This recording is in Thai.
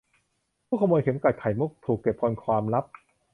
ผู้ขโมยเข็มกลัดไข่มุกถูกเก็บเป็นความลับ